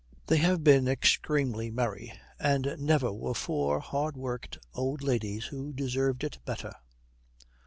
They have been extremely merry, and never were four hard worked old ladies who deserved it better.